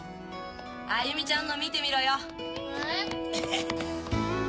歩美ちゃんの見てみろよ。